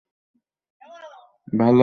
সেটা আমার জন্য পরে সমস্যা হয়ে যাবে।